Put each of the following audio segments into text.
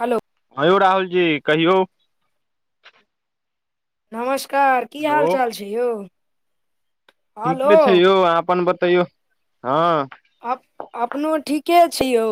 हलो, हँ यौ राहुल जी कहियौ? नमस्कार। की हाल हेलो -चाल छै यौ? हेलो ठीके छै यौ अहाँ अपन बतैयौ? हँ। अप-अपनो ठीके छी यौ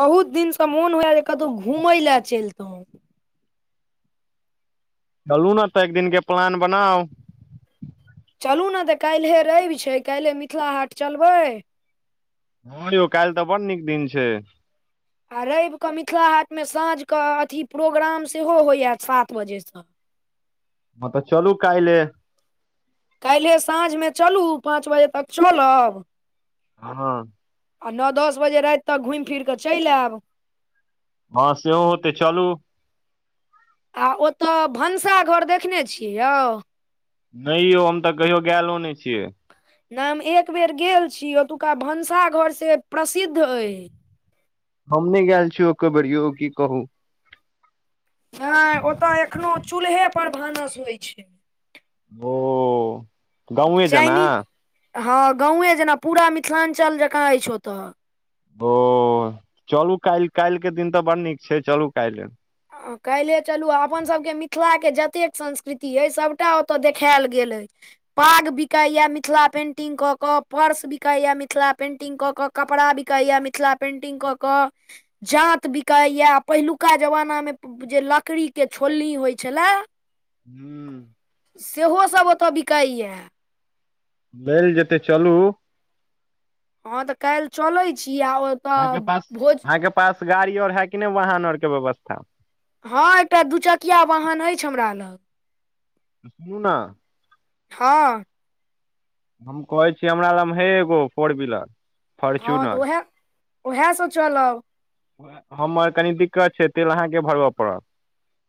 बहुत दिन स त मोन होइये कतौ घुमैय लेए चैलतौं। चलू ने तऽ एक दिन के प्लान बनाउ। चलू ने तऽ काइल्हे रैव छै काइल्हे मिथिला हाट चलबै? हँ यौ काइल्ह तऽ बड नीक दिन छै। आ रैव कऽ मिथिला हाट मे साँझ क अथी प्रोग्राम सेहो होइये सात बजे सँ हँ तऽ चलू काइल्हे। काइल्हे साँझ मे चलू पाँच बजे तक चलब। हँ। आ नौ- दस बजे राइत तक घुइम- फिर कऽ चैल आएब। हँ सेहो होतै चलू। आ ओत भनसाघर देखने छियै यौ। नै यौ हम तऽ कहियो गैलो नै छियै। नै हम एक बेर गेल छी, ओतुका भनसाघर से प्रसिद्ध अय। हम नै गैल छीय एकोबेर यौ की कहू। नै ओत एखनो चूल्हे पर भानस होइ छै। ओ। गाँवे जेना चाइनीज हँ गाँवे जेना, पूरा मिथिलाञ्चल जकाँ अछि ओतय। ओ चलू काल्ह - काल्हि के दिन तऽ बड़ नीक छै चलू काल्हे। काल्हे चलू अपन सबके मिथिलाके जतेक संस्कृति अइ सभटा ओतय देखायल गेल अइ। पाग बिकाैया मिथिला पेंटिंग कऽ क पर्स बिकैया मिथिला पेंटिंग कऽ कऽ। कपड़ा बिकाया मिथिला पेंटिंग क के, जांत बिकायया पहिलुका जमाना मे जे लकड़ी के छोलनी होइ छलै। हू। सेहो सब ओतऽ बिकाइए यै। लेल जेते चलू। हँ तऽ काल्हि चलैत छी आ ओतऽ अहांके पास भोज अहाँके पास गाड़ी आर है कि नै वाहन आर के व्यवस्था? हँ एकटा दूचकिया वाहन अछि हमरा लग। सुनू ने। हँ। हम कहै छी, हमरा लगमे हे एगो फोर व्हीलर। हँ तऽ फोर्च्युनर ओएह -ओएह स चलब। हमर कनि दिक्कत छै, तेल अहाँकेँ भरबय पड़त।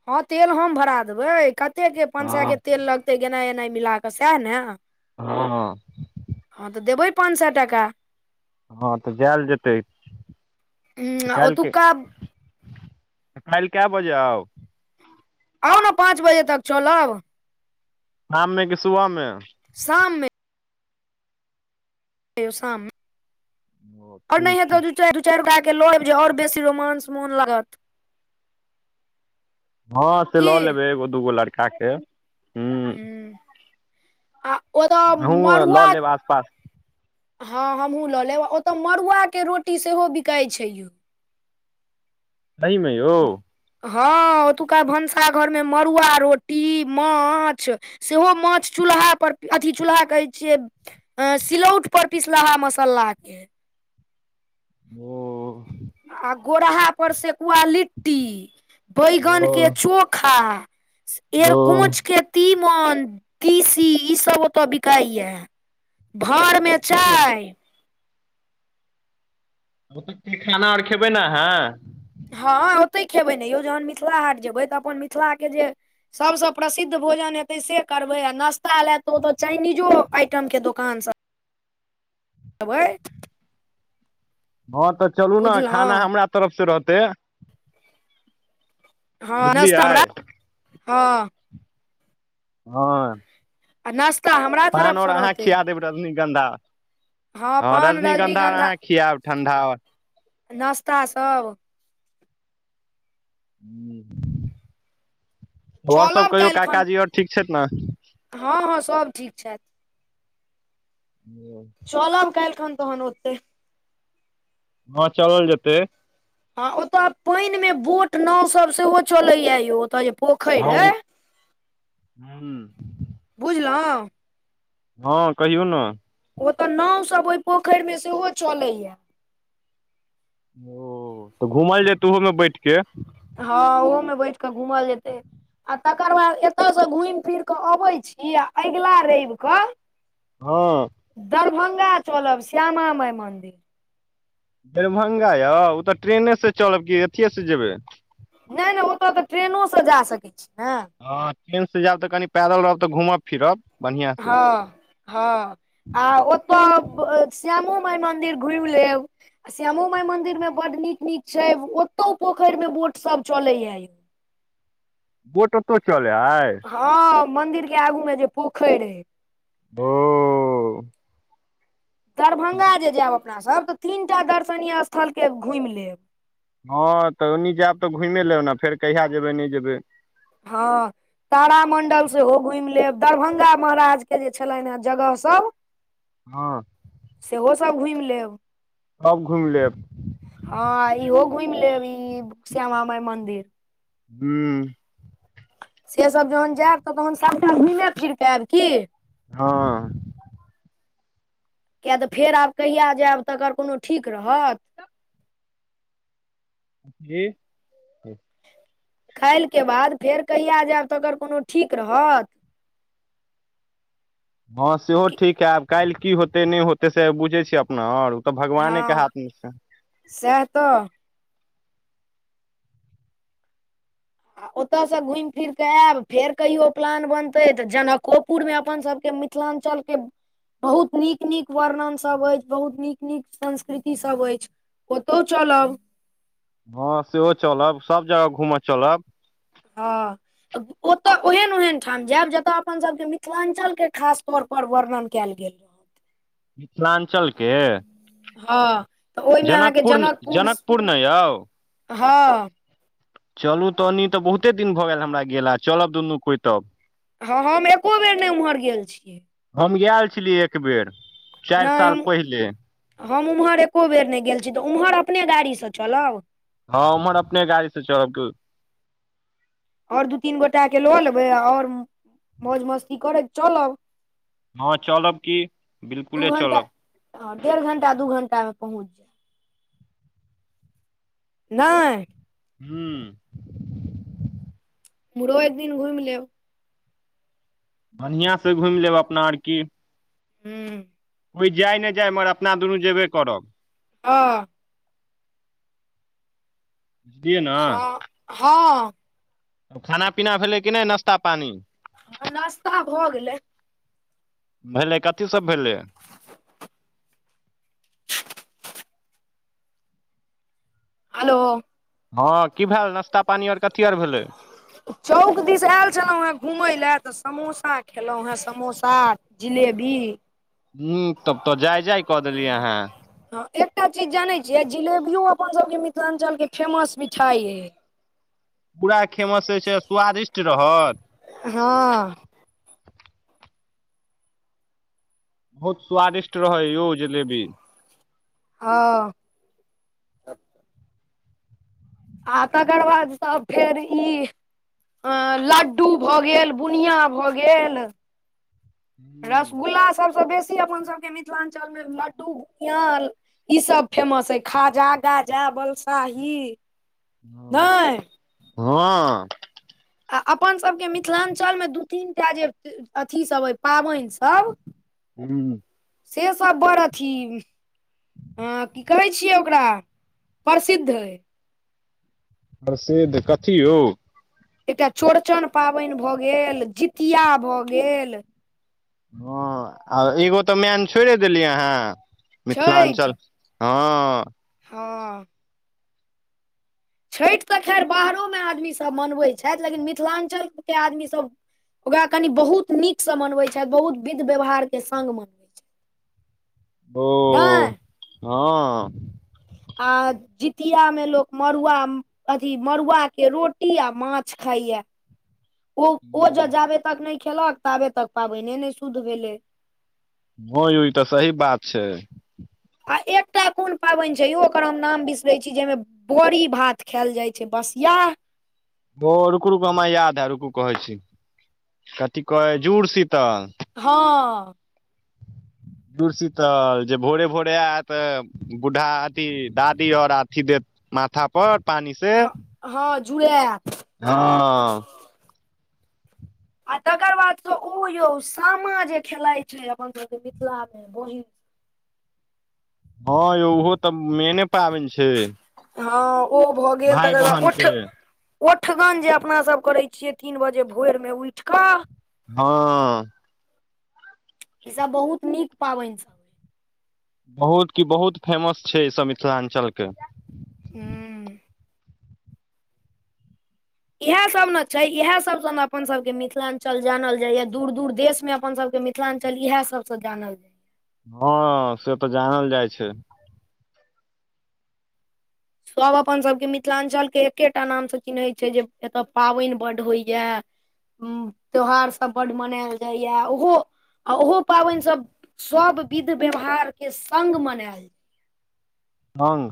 हँ तेल हम भरा देबै, कते के पाँंच सए हँ के तेल लगतै गेनाइ एनाइ मिल कऽ सएह ने। हँ हँ तऽ देबै पाँच सै टाका। हँ तऽ जायल जेतै, तऽ काल्के ओतुक्का काल्हि कै बजे आउ। आउ ने पाँच बजे तक चलब। शाम में कि सुबह में? शाम में। [inaudible] चार ओ ठीक छै दू चारि गोटाके ल आयब जे आओर बेसी रोमांस मोन लागत। हँ से की लऽ लेबै एगो दूगो लड़का के। हूं, आ ओतऽ अहूँ मड़ुआ लऽ लेब आसपास हँ हमहुँ लऽ लेब ओतय मड़ुआ के रोटी सेहो बिकाई छै यौ। सहिमे [inaudible] यौ। हँ ओतुका भनसा घर में मड़ुआ रोटी माछ सेहो माछ चूल्हा पर, अथी चूल्हा कहै छियै। सिलौट पर पिसलाहा मसाल्लाके। ओ। ओ आ गोरहा पर सेकुआ लिट्टी, बैगन के चोखा। ओ एरकोंच के तीमन, तीसी, ई सब ओतय बिकाइ या। भांरमे ओ ठीके चाय। ओत खाना आर खेबै ने अहाँ। हँ ओतै खेबै ने यौ जहन मिथिला हाट जेबै तऽ अपन मिथिलाके जे सबसँ प्रसिद्ध भोजन हेतै से करबै आ नाश्ता लै तऽ ओत चाइनीजो आइटमके दोकानसब [unintelligible] हँ तऽ चलु न खाना हमरा तरफ से रहतै हँ नास्ता हमरा बुझलियै हँ हँ आ नाश्ता हमरा तरफसँ रहतै। रजनीगंधा हँ रजनीगंधा अहाँ खियैब ठंडा नास्ता सब हु ओर सब चलब कहियौ काल्हिखन काकाजी ओर ठीक छथि ने हँ हँ सोब ठीक छैथ। [inaudible] चोलब काइलखन तहन ओतै हँ चलल जेतै हँ ओत पइन मे बोट नाव सब सेहो चलैया यौ ओत जे पोखरि हँ अए हुँ बुझलौ ह कहियो न ओतऽ नाव सब ओहि पोखरि मे सेहो चले या ओ तऽ घूमल जैते ओहोमे बैठके हँ ओहोमे बैठ कऽ घूमल जेतै आ तकर बाद एत से घूमि फिर के अबै छी आ अगिला रइब क हँ दरभंगा चलब श्यामा माई मंन्दिर दरभंगा यौ ओ तऽ ट्रेनेसँ चलब कि अथिए स जेबै नहि नहि ओतय तऽ ट्रेनोसँ जा सकै छी ने हँ ट्रेन से जैब तऽ कनि पैदल रहब तऽ घूमब फिरब बढ़िआँ से हँ हँ आ ओतऽ श्यामो माई मंन्दिर घुमि लेब आ श्यामो माई मंदिर में बड नीक-नीक छै ओतौ पोखरि में बोट सब चले या यौ बोट ओतहु चल आइ हँ मंदिर के आगू में जे पोखरि अए [unintelligible] दरभंगा जे जायब अपना सब तऽ तीन टा दर्शनीय स्थल के घुमि लेब हँ तऽ ओनी जैब तऽ घुमें लेब ने फेर कहिया जेबै नहि जेबै हँ तारामंडल सेहो घुमि लेब दरभंगा महाराज के जे छलनि हे जगह सब [inaudible] हँ सेहो सब घुमि लेब सब घुमि लेब ह इहो घुमि लेब ई श्यामा माई मंदिर [unintelligible] सेसब जहन जैब तऽ तहन सबटा घुमे फिरकऽ ऐब की हँ किये त फेर आब कहिया जेब, तकर कोनो ठीक रहत। जी खालिके बाद, फेर कहिया जेब, तकर कोनो ठीक रहत। हँ सेहो ठीक हे, आब काल्हि की होतै नहि होतै, से बुझे छिय अपना और। त भगवाने के हाथ मे छनि। सेह त। आ ओत स घुमि फिर क ऐब, फेर कहियो प्लान बनतै, त जनकोपुर मे अपन सबके मि मिथिलाञ्चल के बहुत नीक- नीक वर्णन सब अछि, बहुत नीक- नीक संस्कृति सब अछि। ओतहु चलब। हँ सेहो चलब, सभ जगह घूम चलब। हँ ओत ओहन- ओहन ठाम जेब, जतय अपनसभ के मिथिलाञ्चल के खास तौर पर वर्णन केल गेल। [inaudible] मिथिलाञ्चल के हँ त ओहिमें अहाँके जनकपुर हँ चलू त, ओनि त बहुते दिन भ गेल हमरा गेला, चलब दुनु कोइ तब। हँऽ हम एको बेर नहि ओम्हर गेल छि। हम गेल छली एक बेर। चारि नहि, साल पहिले हम- हम ओम्हर एको बेर नहि गेल छी, त ओम्हर अपने गाड़ी स चलब। हँ उम्हर अपने गाड़ी से चलब की। और दू तीन गोटा के ल लेबै और मौज मस्ती करेत चलब। हँ चलब कि बिलकुले चलब। ह डेढ़ घंटा दू घंटा मे पहुँच जे। नय। हूंउ मुरवि दिन घुमि लेब। बढ़िआँ से घुमि लेब अपना आर की। हूं कोइ जाय नहि जाय मगर अपना दुनू जेबे करब। हँऽ बुझलियै ने हँ- हँ खाना- पीना भेलै कि नहि नश्ता पानि। नाश्ता भ गेलय। भेलै कथी सब भेलै। हलो हँ की भेल, नाश्ता पानी और कथी आर भेलै। चौक दिस आयल छलहुँ हे, घुमले तऽ समोसा खेलहुँ हे समोसा। जिलेबी हुं तब त जाय जाय कऽ देलिय अहाँ। हँ एकटा चीज जाने छियै, जिलेबियो अपन सबके मिथिलाञ्चल के फेमस मिठाई अय। पूरा खेमस जे छै स्वादिष्ट रहत हँ बहुत स्वादिष्ट रहै यौ जिलेबी। हँ आ तकर बाद स फेर ई अ लड्डू भ गेल, बुनिया भ गेल हूँ रसगुल्ला सभसँ बेसी अपन सभके मिथिलाञ्चलमे लड्डू भुनिया ईसभ फेमस हइ खाजा, गाजा, बलसाही। ह नहि हँ। आ अपन सबके मिथिलांचल मे दू तीन टा जे अथीसभ अइ पाबनिसभ हू से सब बड़ अथी ह की कहै छियै ओकरा प्रसिद्धय। प्रसिद्ध कथी यौ? एकटा चौड़चन पाबनि भऽ गेल जितिया भऽ गेल। हँ आ एगो तऽ मैन छोड़िे देलियै हँ छठि मिथिलाञ्चल हँ हँ छठि तऽ खैर बाहरोमे आदमीसभ मनबै छथि लेकिन मिथिलाञ्चलके आदमीसभ ओकरा कनि बहुत नीक से मनवे छ बहुत विध व्यवहार के संगग मने ओ [unintelligible] हँ हँ आ जितिया मे लोक मड़ुआ अथी मड़ुआ के रोटी आ माछ खाइया। ओ ओ ज जाबे तक नहि खेलक ताबे तक पाबनि नहि शुद्ध भेले। ह ई तऽ सही बात छै। आ एकटा कोन पाबनि छै यो ओकर हम नाम बिसरै छी जाहिमे बड़ी भात खायल जाइत छै बसिया। ओ रुकु रुकु हमरा याद है रुकु कहै छी कथी कह जुड़ शीतल। हँ जुरसीतल जे भोरे भोरे आयत बूढ़ा अथी दादी आओर अथी देत माथा पर पानी से हँ जुडैत। हँ आ तकर बाद से ओ यौ सामा जे खेलाइ छै अपन सभके मिथिला मे बहिन हँ यौ ओहो तऽ मेने पाबनि छै। हँ ओ भऽ गेल भाय तकर बाद बहन उठ के ओठगन जे अपना सब करे छियै तीन बजे भोर मे उठ कऽ हँ ई सब बहुत नीक पाबनि सब अइ बहुत की बहुत फेमस छै ईसभ मिथिलाञ्चलके। हूँ इएहे सब ने छै इएहे सब सब ने अपन सब के मिथिलां्चल जानल जाया दूर दूर देश में अपन सब के मि मिथिलां्चल इएह सब से जानल जाय। हँ से तऽ जानल जाइ छै। सभ अपनसभके मिथिलाञ्चलके एके टा नामसँ चिन्हैत छै जे एतय पाबनि बड्ड होइए। त्यौहारसभ बड्ड मनायल जाइए ओहो आ ओहो पाबनिसभ सभ विध व्यवहार के संग मनायल। अंग।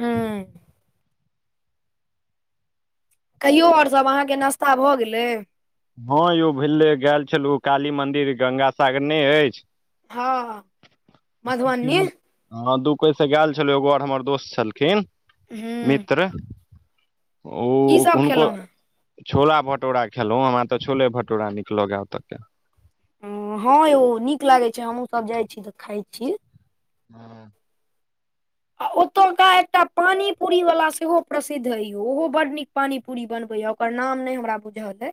ऊं। कहियो और सब अहाँके नास्ता भऽ गेलै। हां यौ भेलै गैल छलो काली मंन्दिर गंगा सागर नै अछि। हाॅं। हां दु कोय स गैल छलो एगो और हमर दोस्त छलखिन। हूँ मित्र, ओ की सब हुनको। खेलहुँ छोला भटोरा खेलों हमरा तऽ छोले भटोरा निक लगैय ओतय के। हां यौ निक लागे छै हमहुँ सब जाय छी तऽ खाय छी। हां। आ ओतुका एकटा पानी पुरी वला सेहो प्रसिद्ध हय यौ ओहो बड निक। पानी पुरी बनबै या ओकर नाम नै हमरा बुझल ये।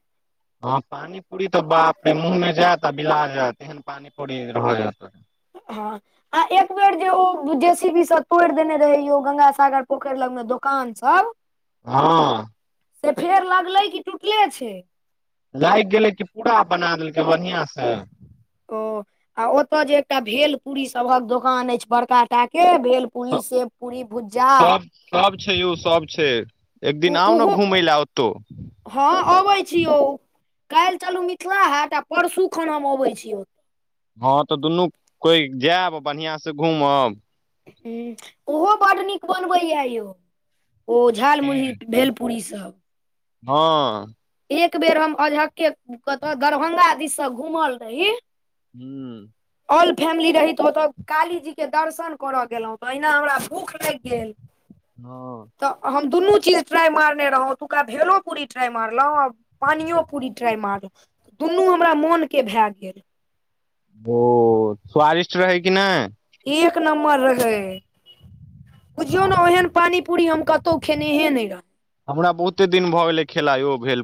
हाॅं पानी पुरी तऽ बापरे मुॅंह में जायत आ बिला जायत एहन पानी पुरी रोहै ओत के। हाॅं। आ एक बेर जे ओ जेसीबी सऽ तोइर देने रहैयो गंगा सागर पोखैर लग मे दु। कान सब। हाॅं। से फेर लगलै कि टूटले छै। लाइग गेलै कि पुरा बना देलकै बढ़ियां स। ओ आ ओतऽ जे एकटा भेल पुरी सभहक दोकान अइछ बड़का टा के भेल। पूरी सेब पूरी भुज्जा। सब सब छै यौ सब छै एक दिन आउ न घुमय लए ओतौ। हाॅं अबै छी यो कैइल चलु मिथला हाट आ परसु खन हम अबै छी। हाॅं तऽ दुनू कोय जैब बढ़िआँ सँ घूमब। ओहो बड़ निक बनबैया यौ ओ। झाल मुरही भेलपुरी सब। हाॅं। एक बेर हम अझक्के कतऽ दरभंगा दिस सऽ घूमल रही। हुं। ऑल फैमिली रही तऽ ओतऽ कालीजी के दर्शन करऽ गेलौं तऽ अहिना हमरा भूख। लैग गेल। हँ तऽ हम दुनू चीज ट्राय मारने रहौं ओतुका भेलो पूरी ट्राय मार। लौं पानियो पुरी ट्राय मारलौ दुनू हमरा मोन के भैए गेल। ओ स्वादिष्ट रहै कि नै। एक नम्बर रहै बुझियौ न ओहेन। पानी पुरी हम कतौ खेनेहे नै रह। हमरा बहुते दिन भऽ गेलै खैला यौ भेल।